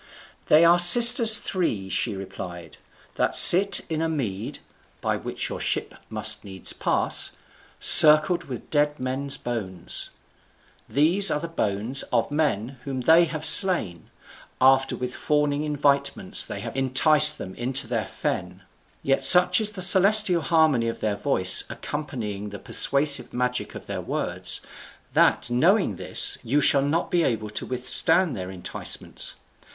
"They are sisters three," she replied, "that sit in a mead (by which your ship must needs pass) circled with dead men's bones. These are the bones of men whom they have slain, after with fawning invitements they have enticed them into their fen. Yet such is the celestial harmony of their voice accompanying the persuasive magic of their words, that, knowing this, you shall not be able to withstand their enticements.